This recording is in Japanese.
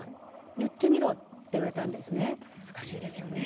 言ってみろって言われたんですよね。